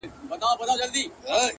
• د بمونو راکټونو له هیبته ,